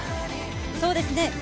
そうですね。